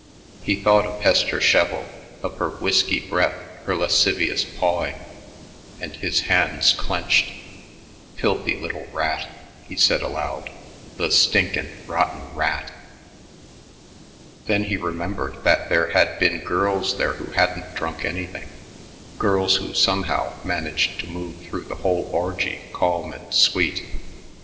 He thought of Hester Sheville, of her whisky breath, her lascivious pawing and his hands clenched. "Filthy little rat," he said aloud, "the stinkin', rotten rat." Then he remembered that there had been girls there who hadn't drunk anything, girls who somehow managed to move through the whole orgy calm and sweet.